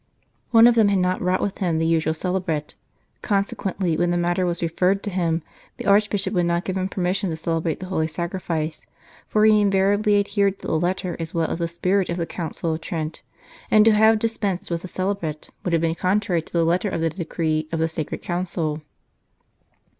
One of them had not brought with him the usual celebret ; consequently, when the matter was referred to him, the Archbishop would not give him permission to celebrate the Holy Sacrifice, for he invariably adhered to the letter as well as the spirit of the Council of Trent, and to have dispensed with the celebret would have been contrary to the letter of the decree of the Sacred Council.